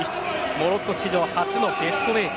モロッコ史上初のベスト８。